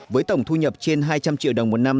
với tổng thu nhập trên hai trăm linh triệu đồng một năm